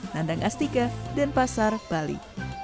nandang astika dan pasar bali